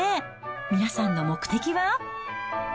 皆さんの目的は。